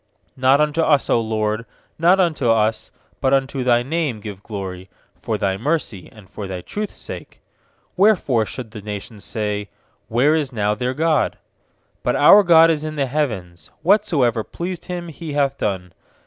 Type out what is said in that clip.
1 1 K Not unto us, 0 LORD, not unto J Lt ' us, But unto Thy name give glory, For Thy mercy, and for Thy truth's 859 115.2 PSALMS Wherefore should the nations say 'Where is now their God?' 3But our God is in the heavens; Whatsoever pleased Him He hath done.